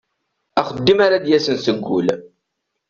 Axeddim ara d-yasen seg wul.